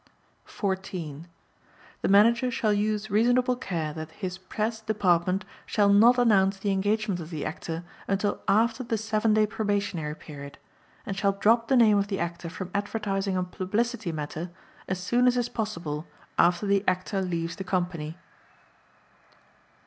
14. The Manager shall use reasonable care that his press department shall not announce the engagement of the Actor until after the seven day probationary period, and shall drop the name of the Actor from advertising and publicity matter as soon as is possible after the Actor leaves the company.